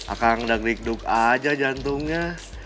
akang sedang rigdug aja jantungnya